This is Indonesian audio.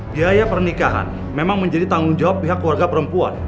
biaya pernikahan memang menjadi tanggung jawab pihak keluarga perempuan